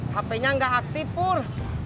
hp nya nggak aktif pur